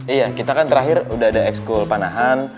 iya kita kan terakhir udah ada s kool panahan